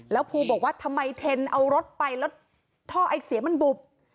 แล้วภูบอกว่าทำไมเทนเอารถไปแล้วท่อไอเสียมันบุบ